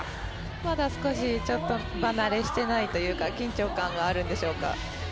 まだ少しちょっと場慣れしてないというか緊張感があるんでしょうか。